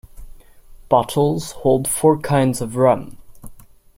Bottles hold four kinds of rum.